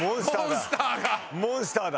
モンスターだ。